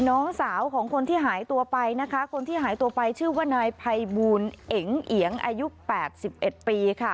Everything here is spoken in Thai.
น้องสาวของคนที่หายตัวไปนะคะคนที่หายตัวไปชื่อว่านายภัยบูลเอ๋งเอียงอายุ๘๑ปีค่ะ